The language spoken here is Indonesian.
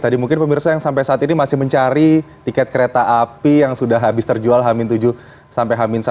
tadi mungkin pemirsa yang sampai saat ini masih mencari tiket kereta api yang sudah habis terjual hamin tujuh sampai hamin satu